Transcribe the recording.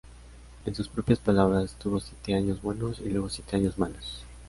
En sus propias palabras, tuvo siete años buenos y luego siete años malos.